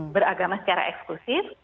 beragama secara eksklusif